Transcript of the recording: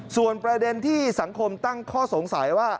ส่วนประเด็นที่สังคมตั้งข้อสงสัยว่า